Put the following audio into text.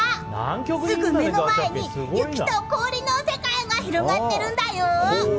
すぐ目の前に雪と氷の世界が広がっているんだよ。